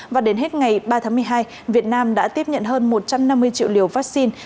và đến hết ngày ba tháng một mươi hai việt nam đã tiếp nhận hơn một trăm năm mươi triệu liều vaccine